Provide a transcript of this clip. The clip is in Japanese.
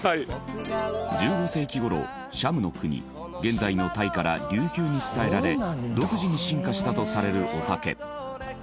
１５世紀頃シャムの国現在のタイから琉球に伝えられ独自に進化したとされるお酒。